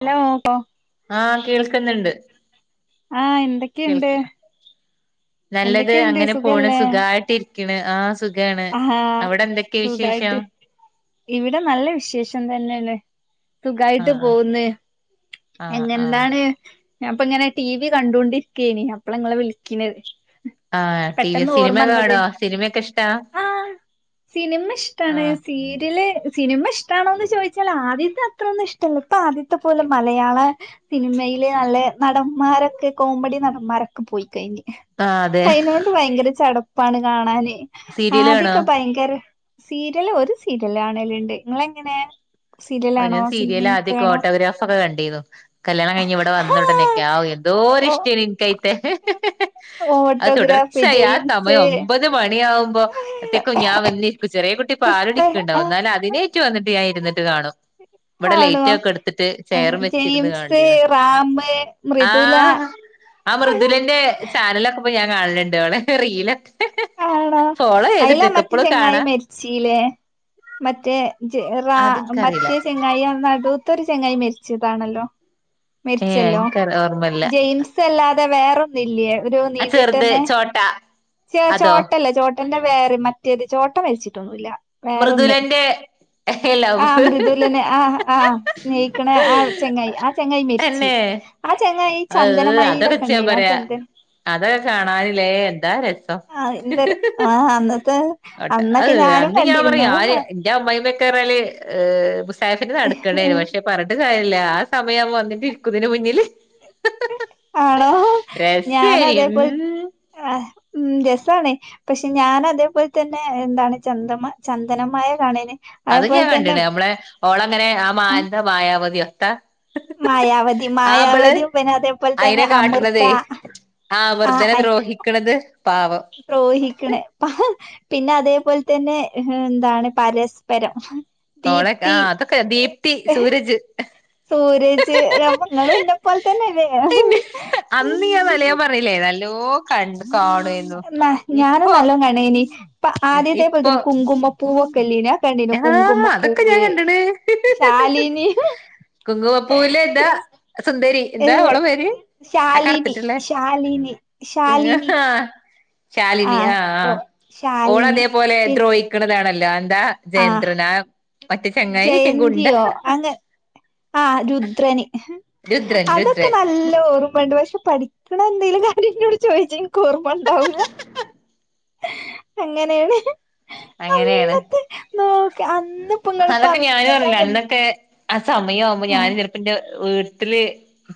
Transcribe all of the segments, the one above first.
Hello ട്ടോ ആ കേൾക്കുന്നുണ്ട് ആ എന്തൊക്കെയുണ്ട് കേൾക്ക നല്ലത് എന്തൊക്കെയുണ്ട് അങ്ങനെ പോണു സുഖായിട്ട് ഇരിക്കണ് ആ ആ സുഖായിട്ട് ഇവിടെ നല്ല വിശേഷം തന്നെയാണ് സുഖായിട്ട് ആഹ് പോന്ന് ആഹ് ആഹ് എങ്ങെന്താണ് ഞപ്പിങ്ങനെ ടി വി കണ്ടൊണ്ടിരിക്കാ നെ അപ്പള നിങ്ങളെ വിളിക്കണത് ആ ടിവി പെട്ടെന്ന് സിനിമ ഓർമ്മ വന്നത് കാണുവാ സിനിമൊക്കെ ഇഷ്ടാ ആ സിനിമ ഇഷ്ടാണെ ആഹ് സീരിയൽ സിനിമ ഇഷ്ടാണോന്ന് ചോദിച്ചാൽ ആദ്യത്തെ അത്രൊന്നും ഇഷ്ടല്ല ഇപ്പൊ ആദ്യത്തെ പോലെ മലയാള സിനിമയില് നല്ല നടന്മാരൊക്കെ കോമഡി നടന്മാരൊക്കെ പോയി ആഹ് അതെ അയിനോണ്ട് ഭയങ്കര ചടപ്പ് ഇപ്പാണ് കാണാനേ ശരി ആദ്യൊക്കെ ഭയങ്കര സീരിയല് ഒരു സീരിയല് കാണലുണ്ട് നിങ്ങളെങ്ങനെ ഓരോ സീരിയലാണോ സീരിയൽ ആദ്യ സിനിമയൊക്കെയാണോ ഓട്ടോഗ്രാഫ് ഒക്കെ കണ്ടു കല്യാണം കഴി ഇവിടെ ഹാ വന്നോടനെക്കെ ആ ഏ ഓ തോരിഷ്ട്ട നികൈ എ അത് ഓട്ടോഗ്രാഫ് തുടർച്ചയായി ആ ജെയിംസ് സമയം ഒമ്പത് മണിയാവുമ്പോത്തേക്കും ഞാൻ വന്നിരിക്കും ചെറിയ കുട്ടി പാല് പുസ്തക കുടിക്ക്ഇണ്ടാവും എന്നാലും അതിനെ റ്റ [unintelligible] വന്നിട്ട് ഞൻ ഇരുന്നിട്ട് കാണും ഇവിടെ ആണോ ലൈറ്റൊക്കെ കെടുത്തിട്ട് ചെയറും വെച്ചിരുന്ന് ജെയിംസ് കാണണ്ടിയ റാം മൃദുല ആ മൃദുലന്റെ ചാനലൊക്കെ കാണല്ണ്ട് ഓളെ റീലൊക്കെ ആണോ ഫോളോ ആയില്ലേ ചെയ്തിട്ടക്ക മറ്റേ ഇപ്പളും ചെങ്ങായി കാണാ മെരിച്ചിയിലേ മറ്റേ റ അത് എനിക്കറിയില്ല മറ്റേ ചെങ്ങാായി നാട്ടു ഒരു ചെങ്ങായി മരിച്ചതാണല്ലോ ഏഹ് മരിച്ചല്ലോ എനിക്ക ഓർമ്മല്ല ജെയിംസ് അല്ലാ അത [unintelligible] വേറെൊന്ന് ഇല്ലേ ആ ചെറുത് ചോട്ട ച അതോ ചോട്ടല്ലേ ചോട്ട ട്ടന്റെ വേറെ മറ്റേത് ചോട്ട മരിച്ചിട്ടൊന്നുല്ല വേറൊന്ന് മൃദുലന്റെ ആ ലൗവ് മൃദുലന് ആ ആ സ്നേഹിക്കണ ആ ചെങ്ങായി ആ ചെങ്ങായി മരിച്ച് എന്നെ ആ ചെങ്ങായി ആഹ് ചന്ദനമയിലൊക്കെ അതൊക്കെച്ചാ ഉണ്ടായിന് ആ പറയാ ചന്ദൻ അതൊക്കെ കാണാനില്ലേ എന്താ രസം ആ എന്ത ആ അന്നത്തെ ട്ട് അന്നൊക്കെ അഹ് ഞാനും അന്ന് ഞാൻ പറയാ കണ്ടിരുന്നു ആര് എന്റെ അമ്മായി [unintelligible] [unintelligible] നടക്കേണ്ടി വരും പക്ഷെ പറഞ്ഞിട്ട്‌ കാര്യല്ല ല്ല സമയം വന്നിട്ട് ഇരിക്കു ഇതിന്റെ മുന്നില് ആണോ ഞാൻ രസേനി അതേപോല ഉം മം രസണേ പക്ഷെ ഞാൻ അതേപോലെ തന്നെ എന്താണ് ചന്ദ ചന്ദനമായ കാണെനി അതൊക്കെ ഞാൻ കണ്ടിണ് നമ്മളെ ഓളെ ഇങ്ങനെ ആ ഉം മയന്റെ മായാവതിയോ ട്ട മായാവതി മായാവതി പിന്നെ അതേപോലെ തന്നെ അയിനെ അമൃത കാട്ടണതേ ആ വെറുതനെ ദ്രോഹിക്കണത് പാവം ദ്രോഹിക്ക്ണേ പ പിന്നെ അതേപോലെ തന്നെ എന്താണ് പരസ്പരം ഓളെ ആ ദീപ്തി അതൊക്കെ ദീപ്തി സൂരജ് സൂരജ് നിങ്ങളും ഇന്നെ പോലെ തന്നെയല്ലേ പിന്നെ അന്ന് ഞാൻ വലയാൻ പറഞ്ഞല്ലേ നല്ല ഹലോ ന്ന ഞാനും നല്ലോ കണേനി ഇപ്പം ആദ്യതേപോലെ ഇപ്പൊ തന്നെ കുങ്കുമപൂവൊക്കെ ഇല്ലേനേ ആ ഒക്കെ കണ്ടിനേകുങ്കുമ അതൊക്കെ ഞാൻ കണ്ടണ് കുങ്കുവപ്പൂല്ല എന്താ സുന്ദരി ഏ എന്താ അവഓള പേര് ആ ശാലിനി കറുത്തിട്ടില്ലേ ശാലിനി ശാലിനി ആ ശാലിനി ആ ആ ഓ ഓൾ ശാലിനി അതേപോലെ പി ദ്രോഹിക്ക്ണതാണലേ ആ [unintelligible] [unintelligible] ജയന്തിയോ അങ്ങ് ആഹ് രുദ്രനി രുദ്രൻ അതൊക്കെ രുദ്രൻ നല്ല ഓർമ്മ്ണ്ട് പഷേ പഠിക്കണ എന്തേലും കാ ര്യം ന്ന്നോട്‌ ചോയിച്ച് ക്കോർമ്മ ഒണ്ടാവൂല അങ്ങനെയാണ് അങ്ങനെയാണ് നോക്കെ അന്ന്പ്പങ്ങള് അതൊക്കെ ഞാനും പ്പന്ന് അറില്ല ഞായെ അന്നൊക്കെ ആ സമയാവുമ്പോ ഞാനും ചെൽപ്പന്റ വ്ട്ട്ല്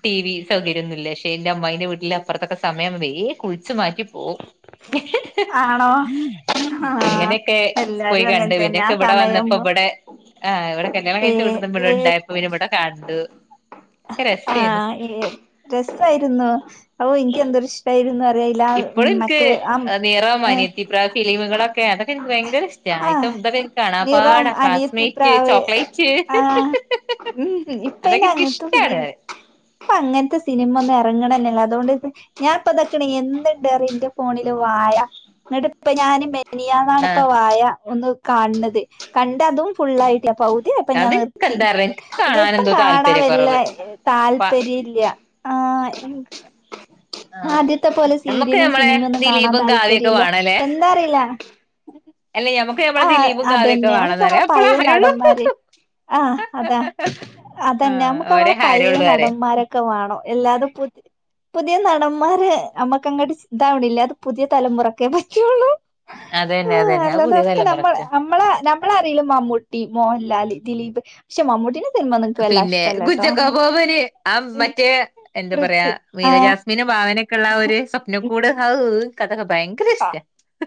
ടി വി സൗകര്യന്നുല്ല ക്ഷെ ഇന്റെ അമ്മായ്ന്റെ വീട്ടില് അപ്പർത്തൊക്കെ സമയംവയ് വേ കു ച് മാറ്റിപ്പോവും ആണോ ആ അങ്ങനെക് ക്കെ പോയി എല്ലാരും കണ്ട് അങ്ങനെ തന്നെ ആ പിന്നൊക്കെ ഇവടെ വന്നപ്പോ സമയാവുമ്പോ വടെ ആഹ് വടെ കല്യാണം ഏ ഏത് കയ്ച്ച [unintelligible] കണ്ടു ഒക്കെ രസേന്നു ആഹ് എഹ് രസായിരുന്നോ. അപ്പൻക്ക് എന്തൊരു ഇഷ്ടായിരുന്നു അറിയോ ഇല ഇപ്പഴും എനിക്ക് മറ്റേ ആം ഏഹ് ഇവിടൊക്കെ അത ക്കെൻക്ക് ഭയ്ങ്കര ആഹ് നിറം, അനിയത്തി ക്ലാസ്മേറ്റ് പ്രാവ് ചോക്ലേറ്റ് ആഹ് ഉംഹ് ഇപ്പയ്ന് അതൊക്കെ എനിക്ക് അങ്ങൻത്തെ ഫിലിം ഇഷ്ടാണ് പ്പങ്ങൻത്തെ സിനിമൊന്നും എറങ്ങണന്നല്ല അതോണ്ട് പ്പ ഞാൻ ഇപ്പതക്കണ എന്ന്ണ്ടറ്യോ ഇന്റെ ഫോണില് വാഴ. ന്നട്ട് പ്പ ഞാന് മെ നിയാന്നാണ് പ്പ ആഹ് വാഴ ഒന്നു കാണ് ണത് കണ്ട് അതും ഫുള്ളായി ല്ല പൗതിയായപ്പ ഞാൻ അത് എനിക്ക് നിർത്തി. എന്താറില്ല എനിക്ക് ഇതെപ്പം കാണാനെന്തോ കാണാൻ താല്പര്യ വല്ലെ കൊറവ് പ താല്പര്യ ഇല്ല. ആഹ് എന് ആഹ് ആദ്യത്തെ പോലെ നമ്മക്ക് സീരിയലും നമ്മളെ സിനിമൊന്നും കാണാൻ ദിലീപും കാവ്യൊക്കെ താല്പര്യല്ല. എന്താ അറീല ല്ലെ ഞമ്മക്ക് ഞമ്മളെ ദിലീപും കാവ്യക്കെ വേണന്നറിയ എപ്പള പഴയ ഹരിയൊള്ളു. നടന്മാര് ആഹ് അതാ അതന്നെ ആഹ് ഒര് ഹരൊള്ളു അറ ഓഹ് എല്ലാതും പുതി പുതിയ നടന്മാര് അമ്മക്കങ്ങട്ട് ശ് ഇതാവണില്ല അത് പുതിയ തലമുറക്കെ പറ്റൂള്ളൂ അതന്നെ അതന്നെ അത് പുതിയ തലമുറക്ക് നമ്മളറിയിന്ന മമ്മൂട്ടി, മോഹൻലാല്, ദിലീപ് പക്ഷെ മമ്മൂട്ടിനെ പിന്നെ ഗുഞ്ചക്കബോബന് ആഹ് മറ്റേ എന്താ പറയാ പൃഥ്വി മീര ജാസ്മിന് ബാ ക്ക്ള്ള ആഹ് ഒരു സ്വപ്നക്കൂട് ഹൗ ഏഹ് കഥ കം ഭയങ്കര ഇഷ്ട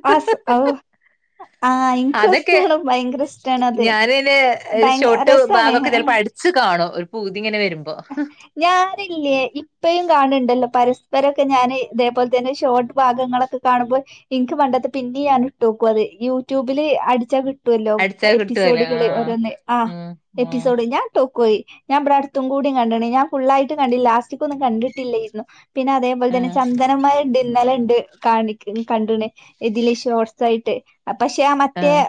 ആഹ് ആഹ് ഇൻക്കും അതൊക്കെ ഇഷ്ടാണ് ഭയങ്കര ഇഷ്ടാണ് അത്. ഞാനന്നെ ഭയ ഷോർട്ട് രസാണ് ഭാഗൊക്കെ ചിലപ്പോ അടി ച്ച് കാണോ ഒരു പൂ ഞാനില്ലേ ഇപ്പഴും കാണ് ണ്ട പരസ്പരം ഒക്കെ ഞാന് ഇതേപോൽ തന്നെ ഷോർട്ട് ഭാഗങ്ങളൊക്കെ കാണുമ്പോ ഇൻക്ക് പണ്ടത്തെ പിന്നി ഞാൻ ഇട്ടോക്കും അത് യൂട്യൂബില് അടിച്ചാ കി ട്ടു ല്ലോ അടിച്ചാ കിട്ടുവല്ലോ എപ്പിസോഡുകള് ആഹ് ഓരോന്ന് ആ ഉം ഉം എപ്പിസോഡ് ഞാൻ ട്ടോ കോയി ഞാൻ ബടെ അട് ത്തും കൂടി കണ്ട് ണ്. ഞാൻ ഫുള്ളായിട്ട് കണ്ടില്ല ലാസ്റ്റിക്കൊന്നും കിട്ടില്ലേര്ന്നു. പിന്നെ അതേപോലെ തന്നെ ഉം ചന്ദനമഴണ്ട് ഇന്നലെ യൂ ട് കാണിക്ക്ണ് കണ്ട്ണ് ഇതില് ഷോർസായിട്ട് അ പക്ഷെ മറ്റേ ഉം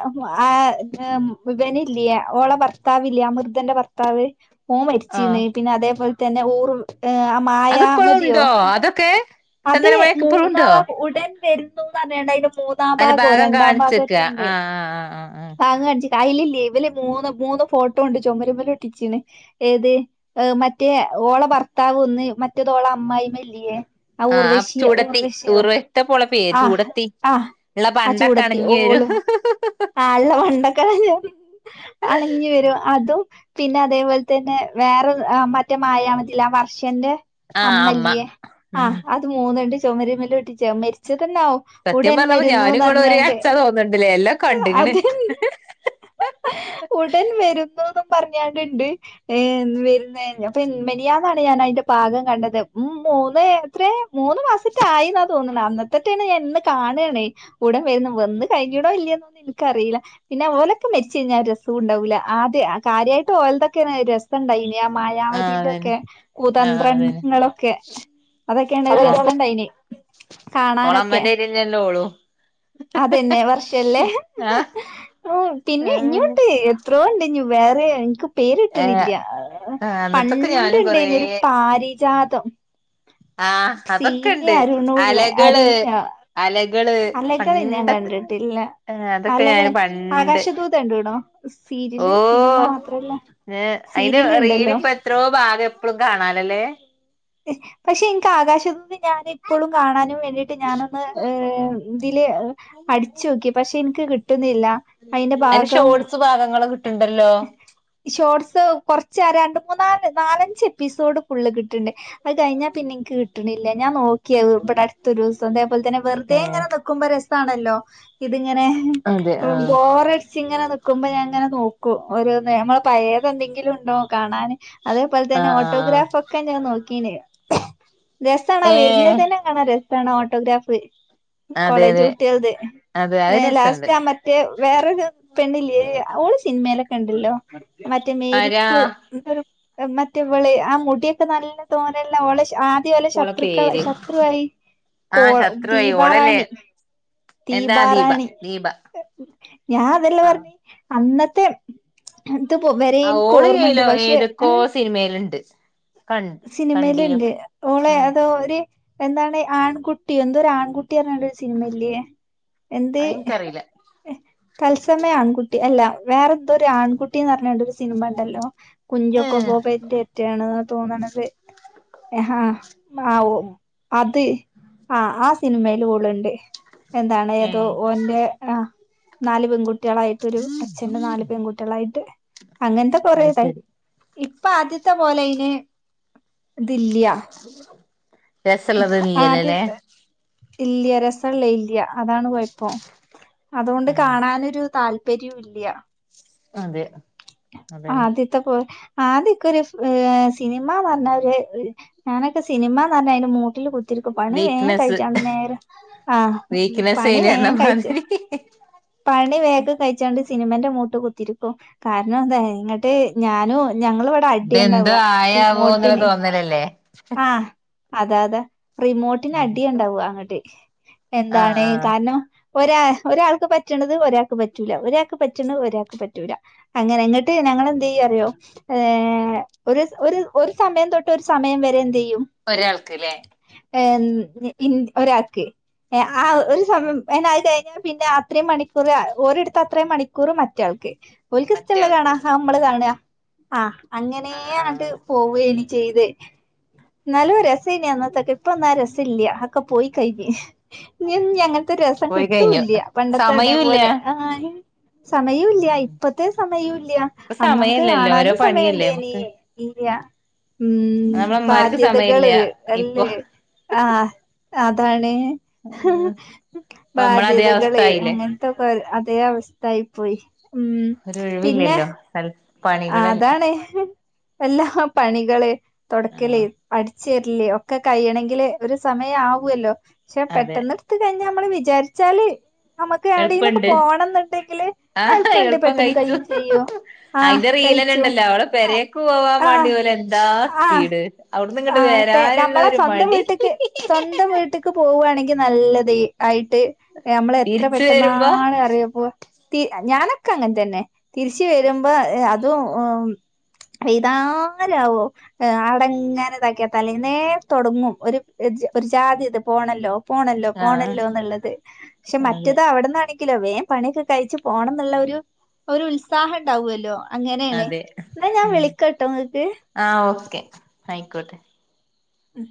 ആ ഏം ഇവന് ഇല്ല്യേ ഓള ഭർ ഭർത്താവില്ല അമൃതന്റെ ഭർത്താവ് [unintelligible] ചീണ് ആഹ് പിന്നെ അതേപോൽ തന്നെ ഊർ ഏ അ അതിപ്പളും മായമതിയോ ഉണ്ടോ [unintelligible] അതൊക്കെ അത് ചന്ദനമഴക്ക് ഇപ്പഴും മൂന്നാക്ലാസ്സ്‌ ഉടെ ൻ വരുന്നൂ നർഞാണ്ട് [unintelligible] അയ്ന് ഭാഗം കാണിച്ചക്കാ ആ ആ ആ ആ ആ ട്ടൈല് ഇല്ലേ ഇവല മൂന്ന് മൂന്ന് ഫോട്ടോ ഉണ്ട് ചുമര്മ്മല് ഒട്ടിച്ചിണ് ഏത് മറ്റേ ഓള ഭർത്താവ് ഒന്ന് മറ്റതോള അമ്മായിമല്ല്യേ ആ ആഹ് ഊർവശിയോ ചൂടത്തി ഊർവശിയോ ഉറുവത്തെ പൊളപ്പേ ആഹ് ചൂടത്തി ആഹ് ഇള്ള ആ പണ്ടൊക്കെ ചൂടത്തി അണഞ്ഞ് വരും ഓളും ആള്ള വണ്ടൊക്കെ അണിഞ്ഞു വരും അതും പിന്നെ അതേപോൽ തന്നെ വേറെ ആ മറ്റേ മായമതില്ലെ ആ വർഷന്റെ ആഹ് അമ്മ അമ്മല്ല്യേ ഉം ആഹ് അത് മൂന്ന്ണ്ട് ചൊമരിമല് ഒട്ടിച്ച മരിച്ച ത്ത്ന്നാവും സത്യം ഉടൻ പറഞ്ഞപ്പോ വരുന്നു ഞാനും ഇങ്ങളും ഒരു ന്നർഞ്ഞാണ്ട്. അച്ഛാ തോന്ന്ണ്ട്ല്ലേ എല്ലാം ആഹ് കണ്ട്ക്ക്ണ് അതന്നെ ഉടൻ വരുന്നു പറഞ്ഞാണ്ട് ഉണ്ട് വരുന്നെന്റെ മെനിഞ്ഞാന്നാണ് ഞാൻ അതിന്റെ ഭാഗം കണ്ടത് ഉം മൂന്ന്- എത്ര മൂന്ന് മാസം മറ്റോ ആയിന്നാ തോന്നണെ അന്നത്തെ- [unintelligible] ഞാൻ ഇന്ന് കാണുവാണെ ഉടൻ വന്ന് വന്നന്ന് കഴിഞ്ഞിടോ ഇല്ലയന്നൊന്നും എനിക്കറിയില്ല പിന്നെ അവ ഓലൊക്കെ മെച്ച കിഞ്ഞാ രസംണ്ടാവൂില്ല ആദ്യ ആ കാര്യമായിട്ട് ഓലതൊക്കെ രസംണ്ടായി ആ ആഹ് മായാവതിന്റെ അതന്നെ ഒക്കെ ആഹ് അതന്നെ കുതന്ത്രങ്ങളൊക്കെ ഇത് തൊക്കെ ആഹ് രസമുണ്ടായിരുന്നു കാണാനൊക്കെ ഓളമ്മന്റെ ഏരിയന്നെല്ലേ ഓളും അതന്നെ വർഷം അല്ലേ ആഹ് പിന്നെ ഇനിയും അതന്നെ ഉണ്ട് എത്രയാ ഉണ്ട് വേറെ- അതെ എനിക്കും ഏഹ് പേരിട്ടണില്ല ആഹ് അന്നത്തൊക്കെ പണ്ട് ഞാനും കൊറേ ഇണ്ടാരുന്നു ഒരു പാരിജാത- അത്തം ആ അതൊക്കെ ഉണ്ട് അലകള് അരുണ്യ അലകൾ അലകള് ഞാൻ കണ്ടിട്ടില്ല ഏഹ് അതൊക്കെ അലകള് ഞാന് പണ്ട് ആകാശദൂത് കണ്ടിക്കിണോ ഓ സീരിയല് സിനിമ മാത്രല്ല സീരിയല് ഉണ്ടല്ലോ എപ്പളും കാണാലല്ലേ പക്ഷെ ഇങ്ക് ആകാശത്ത ഞാന ഇപ്പോഴും കാണാനും വേണ്ടിട്ട് ഞാനൊന്ന് ഏ ഇതില് അടിച്ചു നോക്കി പക്ഷെ എനിക്ക് കിട്ടുന്നില്ല അതിന്റെ ഭാഗം ണ്ടല്ലോ കുറച്ച് രണ്ട് മൂന്നാല് നാലഞ്ച് എപ്പിസോഡ് ഫുള്ള് കിട്ടി ണ്ട് അത് കഴിഞ്ഞാ പിന്നെട്ട കിട്ടണില്ല ഞാൻ നോക്കി ഇവിടേ അടുത്ത ദിവസം അതേപലെ തന്നെ വെറുതെ ഏ ഇങ്ങെക്കുമ്പോ ആണല്ലോ അങ്ങനെ അതെ ആഹ് ബോർ ഇങ്ങനെ നിക്കുമ്പോൾ ഞാൻങ്ങനെ നോ നമ്മൾ പയതെന്തെങ്കിലും ഉണ്ടോ കാണാൻ അതേപോലെ തന്നെ ആഹ് ആഹ് ആഹ് ഓട്ടോഗ്രാഫ് ഒക്കെ ഞാൻ നോക്കീന് [unintelligible] രസണ വരുന്ന തന്നെ കാണാന് ണോ ഓട്ടോഗ്രാഫ് അതെ കോളേജ് അതെ കുട്ടിയള്ളത് അതെ അത് രസണ്ട് ലാസ്റ്റ് ആ മറ്റേ വേറെ ഒരു പെണ്ണില്ലേ ഓക്ക് സിനിമയിലൊക്കെ ഉണ്ടല്ലോ മറ്റ ആരാ മേരിക്കു മറ്റേവള് ആ മുടിയൊക്കെ നല്ല തോന്നേം ഉള്ള ഓള ശത്രുക്കൾ പേര് ശത്രുവായി കോ ആഹ് ശത്രുവായി ഓളല്ലേ ദീപാറാണി എന്താ ദീപ ദീപാറാണി ദീപ ഞാൻ അതെല്ലാം ആഹ് പറഞ്ഞി അന്നത്തെ വരെ ആ എനിക്ക് ഓള ഓർമ്മയുണ്ട് കയിലോ പക്ഷെ ഏതൊക്കോ സിനിമയിലുണ്ട് ക കണ്ടീനു സിനിമയിലുണ്ട് ഓളെ ഉം അതോ ഒരു എന്താണ് ആൺകുട്ടി എന്തൊരു ആൺകുട്ടി പറഞ്ഞണ്ട് സിനിമയില്ലേ എന്ത് അതെനിക്കറിയില്ല തത്സമയം ആൺകുട്ടി അല്ല വേറെ എന്തോരു ആൺകുട്ടിന്ന് പറഞ്ഞണ്ട ഒരു സിനിമ ഉണ്ടല്ലോ കുഞ്ചാക്കോ ഏഹ് ബോബൻ ഉള്ള യാണ് തോന്നണ് [unintelligible] അഹ മാ ഓ അത് ആ ആ സിനിമെല് ഓള് ണ്ട്. എന്താണ് ഏതോ ഏഹ് ഓന്റെ അ നാല് പെൺകു ട്ട്യളായിട്ടൊരു അച്ഛന്റെ നാല് പെൺകുട്ട്യാളായിട്ട് അങ്ങൻത്തെക്കൊരു അത് [unintelligible] ശരി ഇപ്പ ആദ്യത്തെ പോലയ്ന് ദി ല്ല്യാ രസള്ളത് ഇല്യ ല്ലലേ ഇല്യാ രസള്ളെല്യാ അതാണ് കൊയപ്പം അതൊണ്ട് ആഹ് കാണാനൊരു താൽ പര്യൂല്ല അതെ അതന്നെ ആദ്യത്തെ പോ ആദ്യക്കൊരു അ് സിനിമാ ന്നർഞ്ഞാ ഒര് ഞാനൊക്കെ സിനിമാ ന്നർഞ്ഞാ അയിന്റെ മൂട്ടിൽ കു ത്തിരിക്കും പണി വേം വീക്ക്നെസ്സ് കഴിച്ചാണ്ട് നേരം ആഹ് പണി വീക്ക്നെസ്സേനി പറഞ്ഞ വേം കഴിച്ച് മാതിരി പണി വേഗം കഴിച്ചാണ്ട് സിനിമന്റെ മുട്ട് കുത്തിരിക്കും കാരണം എന്താ ങ്ങട്ട് ഞാനും ഞങ്ങളിവിടെ ഇതെന്തോ അടിയുണ്ടാവുക ആയാവോന്നുള്ള റിമോട്ടിന് തോന്നലല്ലേ ആഹ് അതെ അതെ റിമോട്ടിന് അതെ അടി ഇണ്ടാവാ അങ്ങട്ട് ആഹ് എന്താണ് ആഹ് കാരണം ഒരാ ഒരാൾക്ക് പറ്റണത് ഒരാക്ക് പറ്റൂല ഒരാക്ക് പറ്റണ്, ഒരാക്ക് പറ്റൂല, അങ്ങനെ എന്നിട്ട് ഞങ്ങള് എന്ത് ചെയ്യാ അറിയോ, ഏഹ് ഒര് ഒര് ഒര് സമയം തൊട്ട് ഒര് സമയം വെ ഇത് എന്തെയ്യും ഒരാൾക്ക് ല്ലേ [unintelligible] ഒരാക്ക് ഏ ആ ആഹ് ഒരു സമയം അ അത് കഴിഞ്ഞാ പിന്നെ അത്രയും മണിക്കൂറ് ഓരിട്ത്ത അത്രയും മണിക്കൂറ് മറ്റെയാൾക്ക് ഓൽക്കിസ്റ്റ്ള്ളത് കാണാ മറ്റേയാൾക്ക് ആത് നമ്മള് കാണാ ആഹ് അങ്ങനേ ആഹ് അങ്ങട്ട് ആഹ് പോവേനി ചെയ്ത് നല്ലൂ രസ് പിന്നെയന്നത്തൊക്കെ ഇപ്പളൊന്നാ രസ ഇല്ല്യ ഒക്കെ പോയി കയിഞ്ഞ് ഇനിയൊന്ന് ഇനിയങ്ങനത്തെ രസം പോയി കിട്ടൂ കഴിഞ്ഞു ഇല്ല്യ പണ്ടത്തെ സമയൂല്ല അതേപോലെ ആഹ് സമയൂ ഇല്ല്യ ഉം ഇപ്പത്തെ സമയൂ ഇല്ല്യ ഇപ്പൊ അന്നമുക്ക് സമയല്ലല്ലോ ഓരോ കാണാനും പണിയല്ലേ സമയുണ്ടേനീ നമ്മക്ക് ഇല്ല്യ ഉം നമ്മളമ്മാർക്ക് സമയല്ല ബാധ്യതകള് ഇപ്പൊ അല്ലേ ആഹ് അതാണ് ഇപ്പൊ ബാധ്യ നമ്മളതേ അവസ്ഥ ആയില്ലേ അതേ അവസ്ഥ ആയി പോയി ഉം പിന്നെ ഒരൊഴിവില്ല്യല്ലോ തൽ അതാണ് എല്ലാ പണികള് തൊടക്കല് ആഹ് അടിക് ചെർല്ലേ ഒക്കെ കഴിയണെങ്കില് ഒരു സമയാവു അല്ലോ ക്ഷേ അതെ പെട്ടെന്നെടുത്ത് കഴിഞ്ഞാ അമ്മള് വിച് ചാരിച്ചാല് നമ്മക്ക് ഏടെങ്കിലൊക്കെ എളുപ്പണ്ട് പോവണംന്നുണ്ടെങ്കില് ആഹ് എളുപ്പണ്ട് പെട്ടെന്ന് കയ്യും ചെയ്യും ആഹ് കഴിച്ചു പീലന്ണ്ടല്ലോ അവടെ ആഹ് പെരേക്ക് പോവാൻ വേണ്ടി ആഹ് ഓലെന്താ ആഹ് സ്പീഡ് അവട് ആഹ് തേ നമ്മള സ്വന്തം വീട്ട്ക്ക് സ്വന്തം വീട്ട്ക്ക് പോവു വാണെങ്കി നല്ലതേ ആയി ട്ട് ഞമ്മളെത്ര തിരിച്ച് വരുമ്പോ പെട്ടെന്നാണ് കറിയൊപ്പോ തീ ഞാനൊക്ക അങ്ങൻതന്നെ തിരിച്ച് വരുമ്പ അത് തും ഉം ഇതാരാവോ അടങ്ങൻ എന്താക്കിയാ തലേന്നേ തൊടങ്ങും ഒരു ഇജ്ജ് ഒരു ജാതി ഇത് പോണല്ലോ പോണല്ലോ ആഹ് പോണല്ലോന്ന്ള്ളത് ക്ഷെ അതെ മറ്റത് അവിടെന്നാണെങ്ക് ങ്കിലോ വേം പണിയൊക്കെ കഴിച്ച് പോണംന്നുള്ള ഒരു ഒരു ഉത്സാഹണ്ടാവു അല്ലോ അതെ ഉം ഇങ്ങക്ക് ആഹ് ഓക്കെ ആയിക്കോട്ടെ ഉം